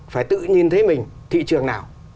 phải tự nhìn thấy mình thị trường nào